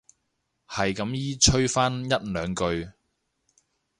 係咁依吹返一兩句